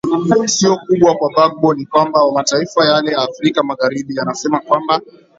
sio kubwa kwa bagbo ni kwamba mataifa yale ya afrika magharibi yanasema kwamba